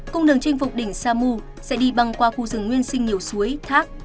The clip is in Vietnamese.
cung đường chinh phục đỉnh samu sẽ đi băng qua khu rừng nguyên sinh nhiều suối thác